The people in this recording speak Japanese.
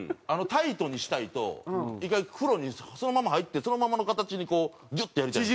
タイトにしたいと１回風呂にそのまま入ってそのままの形にこうギュッとやりたい。